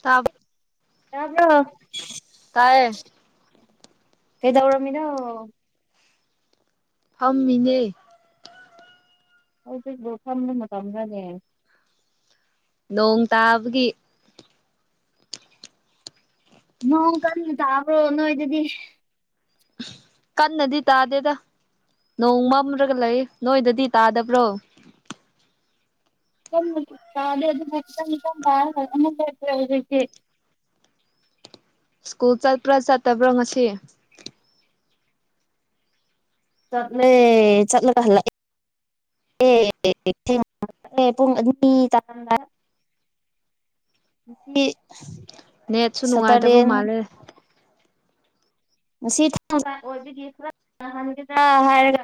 ꯇꯞ ꯇꯕ ꯀꯥꯏ ꯀ ꯇꯧꯔ ꯃꯤꯗ ꯐꯝꯃꯤꯅꯦ ꯍꯧꯖꯤꯗꯣ ꯊꯝꯕ ꯃꯇꯝꯗꯅꯦ ꯅꯣꯡ ꯇꯥꯕꯒꯤ ꯅ ꯀꯟ ꯇꯕ꯭ꯔꯣ ꯅꯣꯏꯗꯗꯤ ꯀꯟꯅꯗꯤ ꯇꯥꯗꯦꯗ ꯅꯣꯡ ꯃꯝꯔꯒ ꯂꯩ ꯅꯣꯏꯗꯗꯤ ꯇꯥꯗꯕ꯭ꯔꯣ ꯀꯗ ꯑꯗꯨ ꯀꯁꯦ ꯁ꯭ꯀꯨꯜ ꯆꯠꯄ꯭ꯔꯥ ꯆꯠꯇꯕ꯭ꯔꯣ ꯉꯁꯤ ꯆꯠꯂ ꯆꯠꯂ ꯀꯍꯜꯂ ꯑꯦ ꯄꯨꯡ ꯑ ꯃꯤ ꯇꯗꯥ ꯐ ꯅꯦꯠꯁꯨꯣ ꯅꯅꯨꯡꯉꯥꯏ ꯇꯕ ꯃꯥꯜꯦ ꯉ ꯊꯣꯡꯉꯒ ꯑꯣꯏꯕꯒꯤ ꯄꯨꯔꯍꯟꯒꯗ꯭ꯔꯥ ꯍꯥꯏꯔꯒ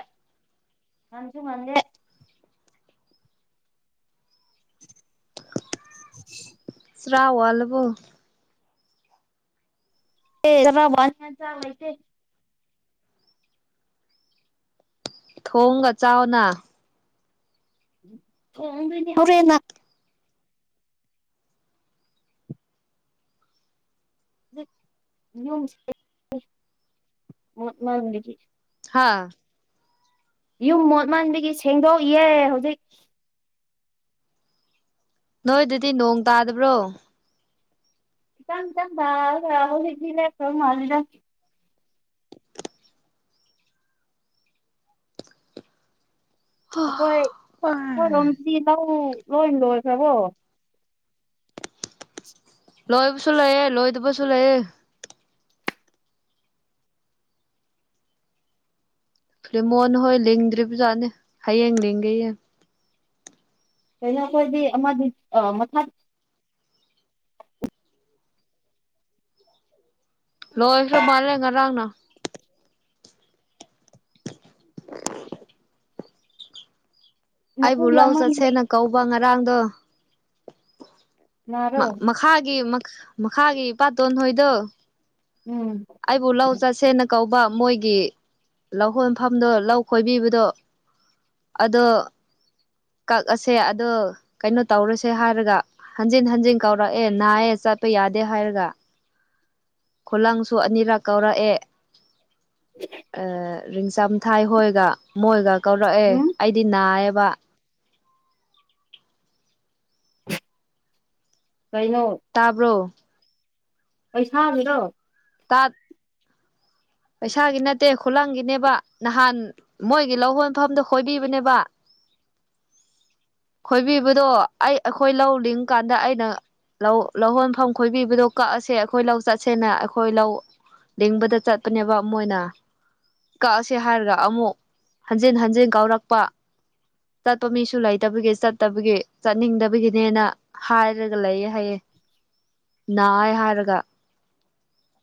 ꯅꯪꯁꯨ ꯃꯗꯦ [inaudible] ꯁꯔꯜꯕꯣ ꯕꯥ ꯆꯦ ꯊꯣꯡꯒ ꯆꯥꯎꯅ ꯑꯣꯣꯔꯦ ꯃꯥꯡꯗꯒꯤ ꯍꯥꯥ ꯌꯨꯝ ꯃꯣꯠꯃꯟꯕꯒꯤ ꯁꯦꯡꯗꯣꯛꯑ ꯍꯧꯖꯤꯛ ꯅꯣꯏ ꯑꯗꯨꯗꯤ ꯅꯣꯡ ꯇꯥꯗꯕ꯭ꯔꯣ ꯏ ꯀ ꯔ ꯔꯍꯜ ꯂꯤꯂ ꯃꯥꯗ ꯑꯩꯈꯣꯏ ꯑꯩꯈꯣꯏ ꯂꯣꯝꯁꯤꯗꯤ ꯂꯧ ꯂꯣꯏ ꯂꯣꯏꯈ꯭ꯔꯕꯣ ꯂꯣꯏꯕꯁꯨ ꯂꯩꯌꯦꯦ ꯂꯣꯏꯗꯕꯁꯨ ꯂꯩꯑ ꯐꯦꯃꯣꯅ ꯍꯣꯏ ꯂꯤꯡꯗ꯭ꯔꯤꯕꯖꯥꯠꯅꯦ ꯍꯌꯦꯡ ꯂꯤꯡꯒꯦꯌꯦꯡ ꯀꯩꯅꯣ ꯑꯩꯈꯣꯏꯗꯤ ꯑꯃꯗꯤ ꯑ ꯃꯥ ꯂꯣꯏꯂꯣ ꯃꯥꯔꯦ ꯉꯔꯥꯡꯅ [inaudible] ꯃꯄꯨ ꯑꯩꯕꯨ ꯂꯧ ꯌꯥꯝꯃꯟꯕꯒꯤ ꯆꯠꯁꯦꯅ ꯀꯧꯕ ꯉꯔꯥꯡꯗꯣ ꯅꯥꯔꯣ ꯃꯈꯥꯒꯤ ꯃꯈꯥꯒꯤ ꯏꯄꯥꯠꯇꯣꯟ ꯍꯣꯏꯗꯣ ꯎꯝ ꯑꯩꯕꯨ ꯂꯧ ꯆꯥꯁꯦꯅ ꯀꯧꯕ ꯃꯣꯏꯒꯤ ꯂꯧ ꯈꯣꯟꯐꯝꯗꯣ ꯂꯧ ꯈꯣꯏꯕꯤꯕꯗꯣ ꯑꯗꯣ ꯀꯛꯑꯁꯦ ꯑꯗꯣ ꯀꯩꯅꯣ ꯇꯧꯔꯁꯦ ꯍꯥꯏꯔꯒ ꯍꯟꯖꯤꯟ ꯍꯟꯖꯤꯟ ꯀꯧꯔꯛꯑꯦ ꯅꯥꯏꯌꯦ ꯆꯠꯄ ꯌꯥꯗꯦ ꯍꯥꯏꯔꯒ ꯈꯨꯂꯪꯁꯨ ꯑꯅꯤꯔꯛ ꯀꯧꯔꯛꯑꯦ ꯑꯥ ꯔꯤꯡꯆꯝꯊꯥꯏ ꯍꯣꯏꯒ ꯃꯣꯏꯒ ꯀꯧꯔꯛꯑꯦ ꯎꯝ ꯑꯩꯗꯤ ꯅꯥꯏꯌꯦꯕ ꯀꯩꯅꯣ ꯇꯥꯕ꯭ꯔꯣ ꯑꯩ ꯁꯥꯕꯤꯔꯣ ꯇꯥꯛ ꯄꯩꯁꯥꯒꯤ ꯅꯠꯇꯦ ꯈꯨꯂꯪꯒꯤꯅꯦꯕ ꯅꯍꯥꯟ ꯃꯣꯏꯒꯤ ꯂꯧ ꯍꯣꯟꯐꯝꯗꯣ ꯈꯣꯏꯕꯤꯕꯅꯦꯕ [inaudible] ꯈꯣꯏꯕꯤꯕꯗꯣ ꯑꯩ ꯑꯩꯈꯣꯏ ꯂꯧ ꯂꯤꯡ ꯀꯥꯟꯗ ꯑꯩꯅ ꯂꯧ ꯂꯧꯍꯣꯟꯐꯝ ꯈꯣꯏꯕꯤꯕꯗꯣ ꯀꯛꯑꯁꯦ ꯑꯩꯈꯣꯏ ꯂꯧ ꯆꯠꯁꯦꯅ ꯑꯩꯈꯣꯏ ꯂꯧ ꯂꯤꯡꯕꯗ ꯆꯠꯄꯅꯦꯕ ꯑꯃ ꯑꯣꯏꯅ ꯀꯛꯑꯁꯤ ꯍꯥꯏꯔꯒ ꯑꯃꯨꯛ ꯍꯟꯖꯤꯟ ꯍꯟꯖꯤꯟ ꯀꯥꯎꯔꯛꯄ ꯆꯠꯄ ꯃꯤꯁꯨ ꯂꯩꯇꯕꯒꯤ ꯆꯠꯇꯕꯒꯤ ꯆꯠꯅꯤꯡꯗꯕꯒꯤꯅꯦꯅ ꯍꯥꯏꯔꯒ ꯂꯩꯌꯦꯦ ꯍꯥꯏꯌꯦꯦ ꯅꯥꯏ ꯍꯥꯏꯔꯒ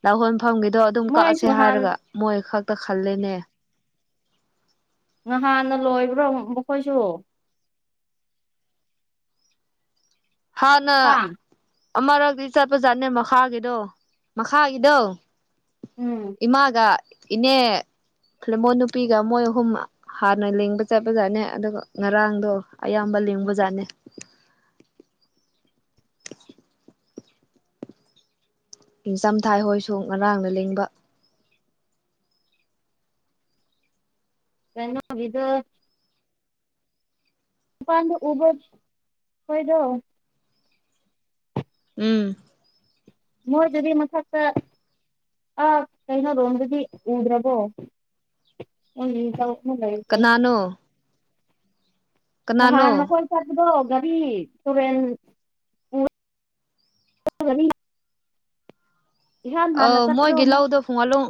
ꯂꯧꯍꯣꯟꯐꯝꯒꯤꯗꯣ ꯑꯗꯨꯝ ꯃꯣꯏꯁꯨ ꯀꯛꯑꯁꯦ ꯅꯍꯥꯟ ꯍꯥꯏꯔꯒ ꯃꯣꯏ ꯈꯛꯇ ꯈꯜꯂꯦꯅꯦ ꯉꯍꯥꯟꯅ ꯂꯣꯏꯕ꯭ꯔꯣ ꯃꯈꯣꯏꯁꯨ ꯍꯥꯟꯅ ꯍꯥ ꯑꯃꯔꯛꯇꯗꯤ ꯆꯠꯄ ꯖꯥꯠꯅꯦ ꯃꯈꯥꯒꯤꯗꯣ ꯃꯈꯥꯒꯤꯗꯣ ꯎꯝ ꯏꯃꯥꯒ ꯏꯅꯦ ꯈꯃꯣꯏ ꯅꯨꯄꯤꯒ ꯃꯣꯏ ꯑꯍꯨꯝ ꯍꯥꯟꯅ ꯂꯦꯡꯕ ꯆꯠꯄꯖꯥꯠꯅꯦ ꯑꯗꯨꯒ ꯉꯔꯥꯡꯗꯣ ꯑꯌꯥꯝꯕ ꯂꯦꯡꯕ ꯖꯥꯠꯅꯦ ꯅꯤꯡꯆꯝꯊꯥꯍꯣꯏꯁꯨ ꯉꯔꯥꯡꯅ ꯂꯦꯡꯕ ꯀꯩꯅꯣ ꯏꯗ ꯎꯄꯥꯥꯟꯗ ꯎꯕꯠ ꯑꯣꯏꯣꯏꯗꯣ ꯎꯝ ꯃꯣꯏ ꯑꯗꯨꯗꯤ ꯃꯊꯛꯇ ꯑ ꯀꯩꯅꯣ ꯔꯣꯝꯗꯗꯤ ꯎꯗ꯭ꯔꯕꯣ ꯅ ꯍ ꯂꯩ ꯀꯅꯥꯅꯣ ꯀꯅꯥꯅꯣ ꯅꯍꯥꯟ ꯃꯈꯣꯏ ꯆꯠꯄꯗꯣ ꯘꯔꯤ ꯇꯨꯔꯦꯟ [inaudible] ꯏꯍꯥꯟ ꯑ ꯍꯥꯟꯅ ꯆꯠꯄꯗꯣ ꯃꯣꯏꯒꯤ ꯑꯃꯨꯛ ꯂꯧꯗꯣ ꯄꯨꯡꯉꯥꯂꯣꯡ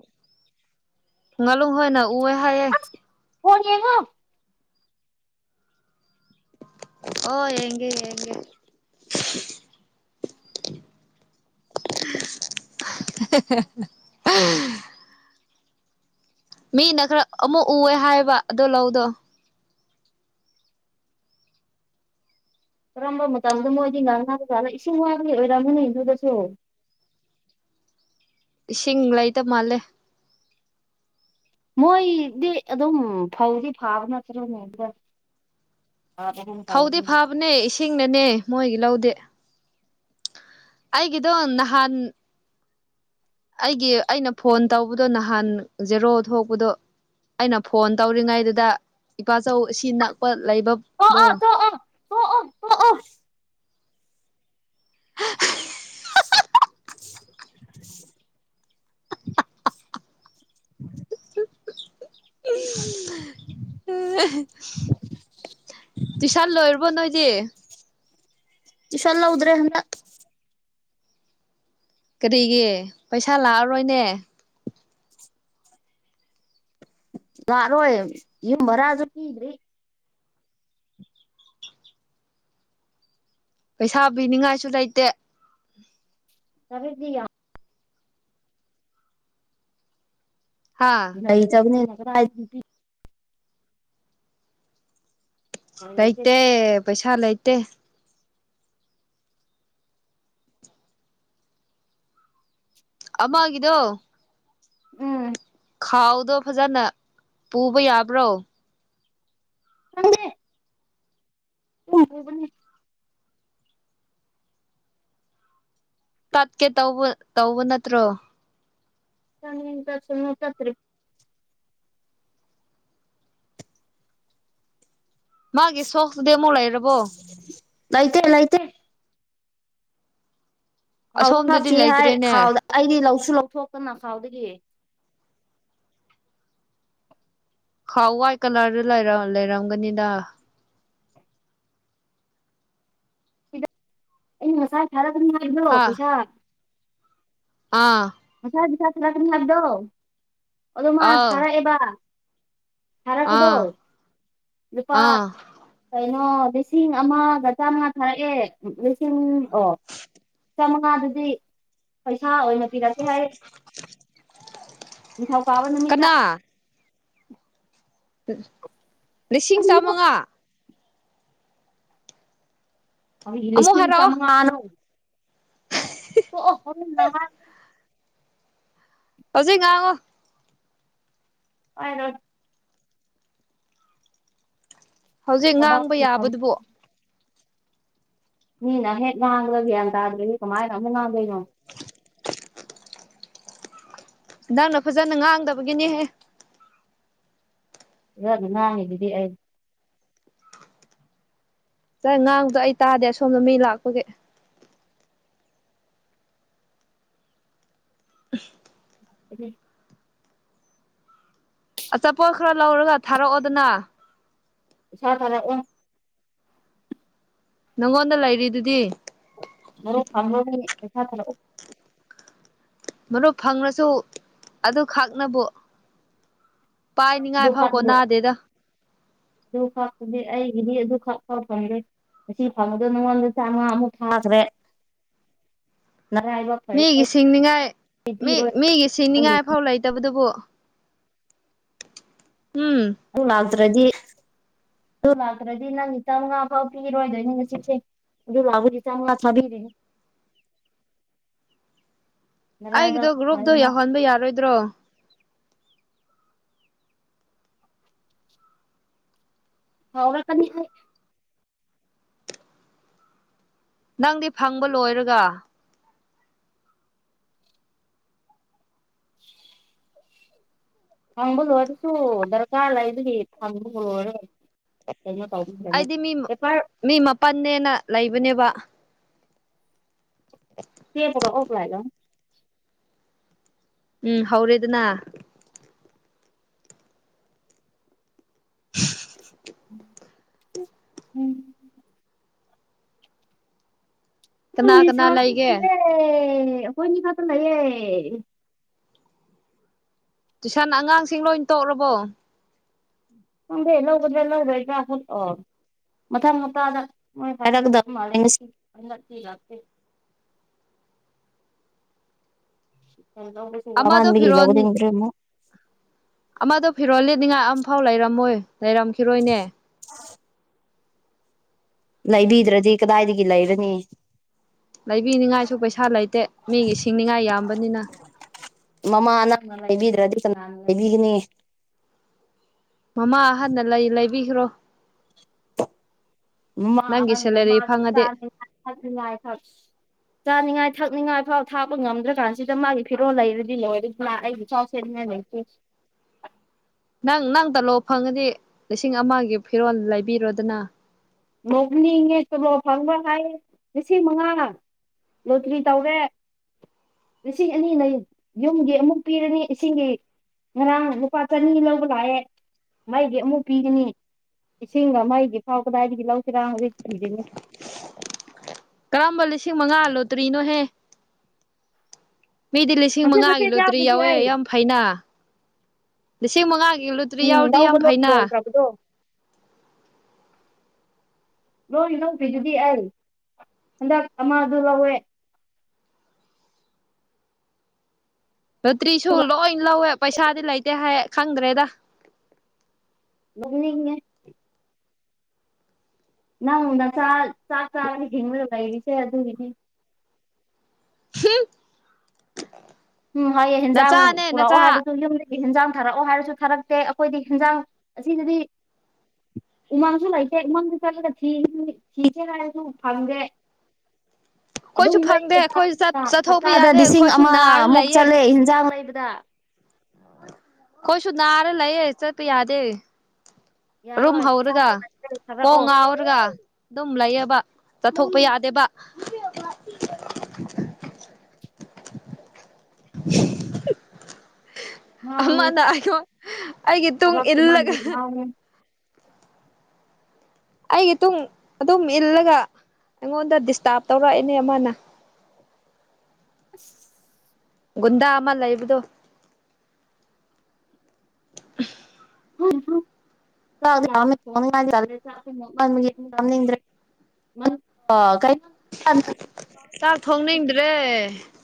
ꯄꯨꯡꯉꯥꯂꯣꯡ ꯍꯣꯏꯅ ꯎꯑꯦ ꯍꯥꯏꯌꯦꯦ ꯀꯅꯤ ꯌꯦꯉꯣ ꯑꯣ ꯌꯦꯡꯒꯦ ꯌꯦꯡꯒꯦ ꯍ ꯃꯤꯅ ꯈꯔ ꯑꯃꯨꯛ ꯎꯑꯦ ꯍꯥꯏꯕ ꯑꯗꯣ ꯂꯧꯗꯣ ꯀꯔꯝꯕ ꯃꯇꯝꯗ ꯃꯣꯏꯗꯤ ꯉꯥꯡꯍꯥꯖꯥꯅ ꯏꯁꯤꯡ ꯋꯥꯕꯗꯤ ꯑꯣꯏꯔꯝꯃꯅꯤ ꯑꯗꯨꯗꯁꯨ ꯁꯤꯤꯡꯥꯏꯇ ꯃꯥꯂꯦ ꯃꯣꯏꯗꯤ ꯑꯗꯨꯝ ꯐꯧꯗꯤ ꯐꯥꯕ ꯅꯠꯇ꯭ꯔꯅꯦ ꯐꯧꯗꯤ ꯐꯕꯅꯦ ꯏꯁꯤꯡꯅꯅꯦ ꯃꯣꯏꯒꯤ ꯂꯧꯗꯦ ꯑꯩꯒꯤꯗꯣ ꯅꯍꯥꯟ ꯑꯩꯒꯤ ꯑꯩꯅ ꯐꯣꯟ ꯇꯧꯕꯗꯣ ꯅꯍꯥꯟ ꯖꯦꯔꯣ ꯊꯣꯛꯄꯗꯣ ꯑꯩꯅ ꯐꯣꯟ ꯇꯧꯔꯤꯉꯩꯗꯨꯗ ꯏꯄꯥꯆꯧ ꯑꯁꯤ ꯅꯛꯄ ꯂꯩꯕꯗꯣ ꯇꯣꯛꯑꯣ ꯇꯣꯛꯑꯣ ꯇꯣꯛꯑꯣ ꯇꯣꯛꯑꯣ [inaudible] ꯎ ꯎꯝ ꯇꯨꯁꯥꯟ ꯂꯣꯏꯔꯕ ꯅꯣꯏ ꯗꯦ ꯏꯁꯂ ꯎꯗ꯭ꯔꯦ꯭ꯔ ꯀꯔꯤꯒꯤ ꯄꯩꯁꯥ ꯂꯥꯛꯑꯔꯣꯏꯅꯦ ꯌꯥꯔꯣꯋ ꯌꯦ ꯃꯔꯔ ꯑꯗꯨ ꯀꯗꯔꯤ ꯄꯩꯁꯥ ꯄꯤꯅꯤꯉꯥꯏꯁꯨ ꯂꯩꯇꯦ ꯇ ꯐꯗꯤꯌꯥ ꯍꯥ ꯆꯅꯤ ꯂꯩꯇꯦ ꯄꯩꯁꯥ ꯂꯩꯇꯦ ꯑꯃꯒꯤꯗꯣ ꯎꯝ ꯈꯥꯎꯗꯣ ꯐꯖꯅ ꯄꯨꯕ ꯌꯥꯕ꯭ꯔꯣ ꯊꯗꯦ ꯎ ꯇꯠꯀꯦ ꯇꯧꯕ ꯇꯧꯕ ꯅꯠꯇ꯭ꯔꯣ ꯆ ꯆꯁꯨ ꯅ ꯇꯔꯤ ꯃꯥꯒꯤ ꯁꯣꯁꯇꯨꯗꯤ ꯑꯃꯨꯛ ꯂꯩꯔꯕꯣ ꯂꯣꯏꯇ ꯂ ꯂꯩꯇ ꯈꯥꯎꯗ ꯑꯁꯣꯝꯗꯗꯤ ꯍꯥꯞꯁꯤ ꯍꯥꯏ ꯂꯩꯇ꯭ꯔꯦꯅꯦ ꯈꯥꯎꯗ ꯑꯩꯗꯤ ꯂꯧꯁꯨ ꯂꯧꯊꯣꯛꯇꯅ ꯈꯥꯎꯗꯒꯤ ꯈꯥꯎ ꯋꯥꯏꯠ ꯀꯂꯔꯗ ꯂꯩꯔꯝꯒꯅꯤꯗ ꯏ ꯉꯁꯥꯏ ꯊꯔꯒ꯭ꯔꯣ ꯍꯥ ꯄꯩꯤꯁꯥ ꯑꯥ ꯃꯁꯥ ꯄꯁꯥ ꯊꯥꯔꯛꯀꯅꯤ ꯍꯥꯏꯕꯗꯣ ꯑꯗꯣ ꯃꯥ ꯑꯥꯎ ꯊꯥꯔꯛꯑꯦꯕ ꯍꯔꯛꯄꯗꯣ ꯑꯥ ꯅꯨꯄꯥ ꯑꯥ ꯀꯩꯅꯣ ꯂꯤꯁꯤꯡ ꯑꯃꯒ ꯆꯥꯝꯃꯉꯥ ꯊꯥꯔꯛꯑꯦ ꯂꯤꯁꯤꯡ ꯑꯣ ꯆꯥꯝꯃꯉꯥꯗꯨꯗꯤ ꯄꯩꯁꯥ ꯑꯣꯏꯅ ꯄꯤ ꯏꯍꯥꯏ ꯅꯤꯡꯊꯧꯀꯥꯕ ꯅꯨꯃꯤꯠꯇ ꯀꯅꯥ ꯂꯤꯁꯤꯡ ꯀꯔꯤꯅꯣ ꯆꯥꯃꯉꯥ ꯑ ꯑꯃꯨꯛ ꯏꯂꯤꯁ ꯍꯥꯏꯔꯛꯑꯣ ꯆꯃꯉꯥꯅꯣ ꯍ ꯅꯍ ꯍꯧꯖꯤꯩ ꯉꯥꯎꯉꯣ ꯍꯥꯏꯅꯣ ꯍꯧꯖꯤꯛ ꯊꯕꯛ ꯉꯥꯡꯕ ꯁꯨꯐꯝ ꯌꯥꯕꯗꯨꯕꯣ ꯃꯤꯅ ꯍꯦꯛ ꯉꯥꯡꯕ ꯒꯌꯥꯟ ꯇꯥꯗ꯭ꯔꯒꯗꯤ ꯀꯃꯥꯏꯅ ꯑꯃꯛ ꯉꯥꯡꯗꯣꯏꯅꯣ ꯅꯪꯅ ꯐꯖꯅ ꯉꯥꯡꯗꯕꯒꯤꯅꯦꯍꯦ ꯂꯅꯥꯗꯤ ꯁ ꯉꯥꯡꯗꯣ ꯑꯩ ꯇꯥꯗꯦ ꯁꯣꯝꯗ ꯃꯤ ꯂꯥꯛꯄꯒꯤ ꯎꯝ ꯑꯆꯥꯄꯣꯠ ꯈꯔ ꯂꯧꯔꯒ ꯊꯥꯔꯛꯑꯣꯗꯅ ꯏꯁ ꯊꯥꯔꯛꯑꯣ ꯅꯪꯉꯣꯟꯗ ꯂꯩꯔꯤꯗꯨꯗꯤ ꯃ ꯐꯝ ꯄꯩꯁꯥ ꯊꯂ ꯃꯔꯨꯞ ꯐꯪꯂꯉꯁꯨ ꯑꯗꯨꯈꯛꯅꯕꯨ ꯄꯥꯏꯅꯤꯉꯥꯏ ꯑꯗꯨ ꯐꯥꯎꯀꯣ ꯈꯛꯇꯗꯣ ꯅꯥꯗꯦꯗ ꯑꯗꯨ ꯈꯥꯛꯄꯗꯤ ꯑꯩꯒꯤꯗꯤ ꯑꯗꯨ ꯈꯥꯛ ꯈꯥꯎ ꯐꯪꯗꯦ ꯉꯁꯤ ꯐꯪꯕꯗꯣ ꯅꯉꯣꯟꯗ ꯆꯥꯝꯃꯉꯥ ꯑꯃꯨꯛ ꯊꯥꯈ꯭ꯔꯦ ꯅꯔꯥꯏꯕꯛ ꯐꯩ ꯃꯤꯒꯤ ꯁꯤꯡꯅꯤꯉꯥꯏ ꯑꯩ ꯃꯤ ꯄꯤꯔꯣꯏ ꯃꯤꯒꯤ ꯈꯪꯗꯦ ꯁꯤꯡꯅꯤꯉꯥꯏꯐꯥꯎ ꯂꯩꯇꯕꯗꯨꯕꯨ ꯎꯝ ꯑꯗꯨ ꯂꯥꯛꯇ꯭ꯔꯗꯤ ꯑꯗꯨ ꯂꯥꯛꯇ꯭ꯔꯗꯤ ꯅꯪ ꯈꯤꯇꯪ ꯉꯥ ꯐꯥꯎ ꯄꯤꯔꯣꯏꯗꯣꯏꯅꯤ ꯉꯁꯤꯁꯦ ꯗ ꯂꯕꯨꯗꯤꯇꯥꯁꯕꯤꯅꯦ ꯑꯩꯒꯤꯗꯣ ꯒ꯭ꯔꯨꯞꯗꯣ ꯌꯥꯎꯍꯟꯕ ꯌꯥꯔꯣꯏꯗ꯭ꯔꯣ ꯍ ꯀ ꯅꯪꯗꯤ ꯐꯪꯕ ꯂꯣꯏꯔꯒ [inaudible] ꯍꯪꯣꯂꯣ ꯑꯗꯨꯁꯨ ꯆꯆꯥ ꯂꯩꯕꯗꯤ ꯊꯝꯕ ꯍꯧꯔꯨꯔꯦ ꯀꯩꯅꯣ ꯇꯧꯕ ꯀꯅ ꯑꯩꯗꯤ ꯃꯤ ꯑꯦꯦꯄꯔ ꯃꯤ ꯃꯥꯄꯅꯦꯅ ꯂꯩꯕꯅꯦꯕ [inaudible] ꯁꯤ ꯐ ꯑꯣꯛꯂꯑꯒ ꯎꯝ ꯍꯧꯔꯦ ꯑꯗꯨꯅꯥ ꯎꯝ ꯀꯅꯥ ꯀꯅꯥ ꯂꯩ ꯑꯩꯒꯦ ꯑꯦ ꯍꯣꯏꯅꯤꯀꯣ ꯂꯒꯦ ꯇꯨꯏꯁꯟ ꯑꯉꯥꯡꯁꯤꯡ ꯂꯣꯏ ꯇꯣꯛꯔꯕꯣ ꯅꯦꯂ ꯎꯗ꯭ꯔ ꯃꯊꯪ ꯃꯄꯥꯗ ꯃꯣꯏ ꯍꯥꯏꯔꯛꯀꯗꯕ ꯃꯥꯜꯂꯦ ꯉꯁꯤ ꯆ ꯑꯃꯗꯣ ꯐꯤꯔꯣꯜ ꯃꯥꯟꯒꯂꯗꯤꯃꯣ ꯑꯃꯗꯣ ꯐꯤꯔꯣ ꯂꯤꯅꯤꯡꯉꯥꯏ ꯑꯝꯐꯥꯎ ꯂꯩꯔꯝꯃꯣꯏ ꯂꯩꯔꯝꯈꯤꯔꯣꯏꯅꯦ [inaudible] ꯂꯩꯕꯤꯗ꯭ꯔꯗꯤ ꯀꯗꯥꯏꯗꯒꯤ ꯂꯩꯔꯅꯤ ꯂꯩꯕꯤꯅꯤꯡꯉꯥꯏꯁꯨ ꯄꯩꯁꯥ ꯂꯩꯇꯦ ꯃꯤꯒꯤ ꯁꯤꯡꯅꯤꯉꯥꯏ ꯌꯥꯝꯕꯅꯤꯅ ꯃꯃꯥ ꯑꯅꯥꯅ ꯂꯩꯕꯤꯗ꯭ꯔꯗꯤ ꯀꯅꯥꯅ ꯂꯩꯕꯤꯒꯅꯤ ꯃꯃꯥ ꯑꯍꯟꯅ ꯂꯩ ꯂꯩꯕꯤꯈ꯭ꯔꯣ ꯃꯥ ꯅꯪꯒꯤ ꯍ ꯃꯥ ꯁꯦꯂꯔꯤ ꯆ ꯐꯪꯉꯗꯤ ꯆꯥꯅꯤꯡꯉꯥꯏ ꯊꯛꯅꯤꯡꯉꯥꯏ ꯐꯥꯎ ꯊꯥꯛꯄ ꯉꯝꯗ꯭ꯔꯀꯥꯟꯁꯤꯗ ꯃꯥꯒꯤ ꯐꯤꯔꯣꯜ ꯂꯩꯔꯗꯤ ꯂꯣꯏꯔ ꯂꯥꯛ ꯑꯩꯗꯤ ꯁꯤꯔꯤ ꯌꯥ ꯂꯩ ꯅꯪ ꯅꯪ ꯇꯥꯂꯣ ꯐꯪꯉꯗꯤ ꯂꯤꯁꯤꯡ ꯑꯃꯒꯤ ꯐꯤꯔꯣꯜ ꯂꯩꯕꯤꯔꯣꯗꯅ ꯅꯣꯛꯅꯤꯡꯉꯦ ꯆꯣꯂꯣ ꯐꯪꯕ꯭ꯔꯥ ꯍꯥꯏꯌꯦ ꯂꯤꯁꯤꯡ ꯃꯉꯥ ꯂꯣꯇꯔꯤ ꯇꯧꯋꯦ ꯂꯤꯁꯤꯡ ꯑꯅꯤꯅ ꯌꯨꯝꯒꯤ ꯑꯃꯨꯛ ꯄꯤꯔꯅꯤ ꯏꯁꯤꯡꯒꯤ ꯉꯔꯥꯡ ꯂꯨꯄꯥ ꯆꯅꯤ ꯂꯧꯕ ꯂꯥꯛꯑꯦ ꯃꯗꯤ ꯑꯃꯨꯛ ꯄꯤꯒꯅꯤ ꯏꯁꯤꯡ ꯑꯃꯒꯤꯒꯤ ꯐꯥꯎꯕꯗꯥꯏꯗꯒꯤ ꯂꯧꯁꯤꯔꯥ ꯍꯧꯖꯤꯛ ꯊꯤꯔꯤꯅꯤ ꯀꯔꯝꯕ ꯂꯤꯁꯤꯡ ꯃꯉꯥ ꯂꯣꯗ꯭ꯔꯤꯅꯣꯍꯦ ꯃꯤꯗꯤ ꯂꯤꯁꯤꯡ ꯃꯆꯦꯠ ꯃꯉꯥꯒꯤ ꯃꯆꯦꯠ ꯂꯨꯗ꯭ꯔꯤ ꯌꯥꯎꯗꯗꯤ ꯌꯥꯎꯋꯦ ꯑꯩ ꯌꯥꯝ ꯐꯅ ꯂꯤꯁꯤꯡ ꯃꯉꯥꯒꯤ ꯀꯗ꯭ꯔꯤꯎꯗꯤ ꯌꯥꯝ ꯐꯩꯅꯥ ꯇꯗꯣ ꯂꯣꯏ ꯂꯧꯕꯤꯗꯨꯗꯤ ꯑꯩ ꯍꯟꯗꯛ ꯑꯃꯗ ꯂꯧꯋꯦ ꯔꯣꯇ꯭ꯔꯤꯁꯨ ꯑꯗꯨꯒ ꯂꯣꯏ ꯂꯧꯋꯦ ꯄꯩꯁꯥꯗꯤ ꯂꯩꯇꯦ ꯍꯥꯏ ꯈꯪꯗ꯭ꯔꯦꯗ ꯅꯤꯡꯉ ꯅꯪꯗ ꯆꯥꯛ ꯆꯥꯛ ꯆꯥꯕꯅ ꯍꯤꯡꯉꯔꯕ ꯂꯩꯔꯤꯁꯦ ꯑꯗꯨꯒꯤꯅꯤ ꯍ ꯎꯝ ꯍꯥꯏꯌꯦꯦ ꯍꯟꯖꯥꯡ ꯄꯨꯔꯛꯑꯣ ꯍꯥꯏꯗꯁꯨ ꯌꯨꯝꯗ ꯍꯤꯟꯖꯥꯡ ꯊꯥꯔꯛꯑꯣ ꯍꯥꯏꯔꯁꯨ ꯊꯥꯔꯛꯇꯦ ꯑꯩꯈꯣꯏꯗꯤ ꯍꯟꯖꯥꯡ ꯑꯁꯤꯗꯗꯤ ꯎꯃꯪꯁꯨ ꯂꯩꯇꯦ ꯎꯃꯪꯁꯨ ꯆꯠꯂꯒ ꯊꯤ ꯊꯤꯒꯦ ꯍꯥꯏꯔꯁꯨ ꯐꯪꯒꯦ ꯑꯗꯨ ꯑꯩꯈꯣꯏꯁꯨ ꯐꯪꯗꯦ ꯑꯩꯈꯣꯏ ꯆꯠꯊꯣꯛꯄ ꯍꯞꯇꯥꯗ ꯌꯥꯗꯦ ꯂꯤꯁꯤꯡ ꯑꯩꯈꯣꯏꯁꯨ ꯅꯥꯔ ꯑꯃꯨ ꯂꯩꯌꯦ ꯍꯤꯟꯖꯥꯡ ꯃꯩꯕꯗ ꯀꯣꯏꯁꯨ ꯅꯔ ꯂꯩꯌꯦ ꯆ ꯌꯥꯗꯦ ꯌꯥꯔꯣꯏ ꯆꯥ ꯊꯔꯛꯑꯣ ꯒ ꯑꯗꯨꯝ ꯂꯩꯌꯦꯕ ꯆꯠꯊꯣꯛꯄ ꯌꯥꯗꯦꯕ ꯉꯥꯎꯅꯤ ꯑꯃꯗꯣ ꯑꯩꯒꯤ ꯇꯨꯡ ꯊꯕꯛꯇꯨ ꯏꯜꯂꯒ ꯃꯥꯟꯕꯤ ꯉꯥꯎꯅꯤ ꯑꯩꯒꯤ ꯃꯇꯨꯡꯨꯡ ꯑꯗꯨꯝ ꯏꯜꯂꯒ ꯑꯩꯉꯣꯟꯗ ꯗꯤꯁꯇꯥꯔꯕ ꯇꯧꯔꯛꯏꯅꯦ ꯑꯃꯅ [inaudible] ꯨꯟꯗꯥ ꯑꯃꯜ ꯂꯩ ꯏꯕꯗꯣ ꯐꯗ꯭ꯔꯦ ꯃ ꯀꯥꯏ ꯆꯥꯛ ꯊꯣꯡꯅꯤꯡꯗ꯭ꯔꯦ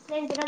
ꯁꯗ